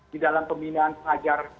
di dalam pembinaan pelajar